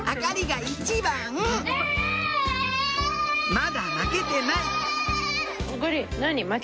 「まだ負けてない」